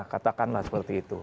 katakanlah seperti itu